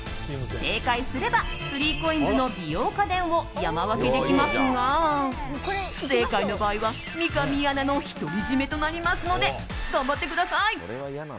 正解すれば３ＣＯＩＮＳの美容家電を山分けできますが不正解の場合は三上アナの独り占めとなりますので頑張ってください。